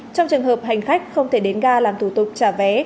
trong trường hợp hành khách không thể đến ga làm thủ tục trả vé